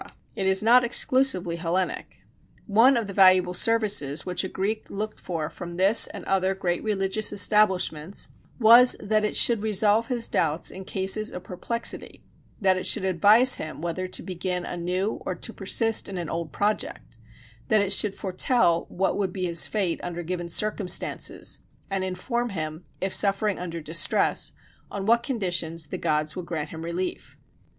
it is not exclusively Hellenic. One of the valuable services which a Greek looked for from this and other great religious establishments was, that it should resolve his doubts in cases of perplexity; that it should advise him whether to begin a new, or to persist in an old project; that it should foretell what would be his fate under given circumstances, and inform him, if suffering under distress, on what conditions the gods would grant him relief.